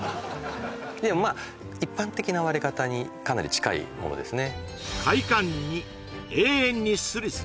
でもまあ一般的な割れ方にかなり近いものですね